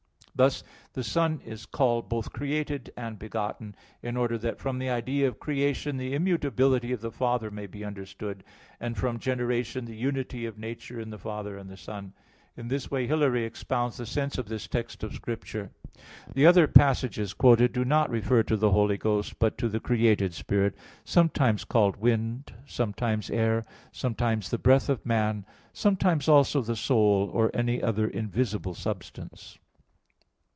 Thus the Son is called both created and begotten, in order that from the idea of creation the immutability of the Father may be understood, and from generation the unity of nature in the Father and the Son. In this way Hilary expounds the sense of this text of Scripture (De Synod.). The other passages quoted do not refer to the Holy Ghost, but to the created spirit, sometimes called wind, sometimes air, sometimes the breath of man, sometimes also the soul, or any other invisible substance.